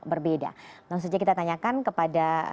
berbeda nah sejak kita tanyakan kepada